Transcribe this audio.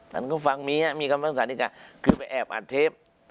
ศาลก็ฟังมีอย่างนี้มีคำพิพักษาสานิกาว่าคือไปแอบอัดเทป